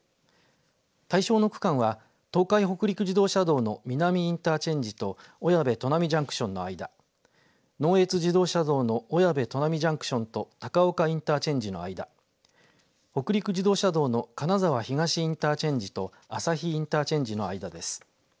対象の区間は東海北陸自動車道の美並インターチェンジと小矢部砺波ジャンクションの間能越自動車道の小矢部砺波ジャンクションと高岡インターチェンジの間北陸自動車道の金沢東インターチェンジと朝日インターチェンジの間です。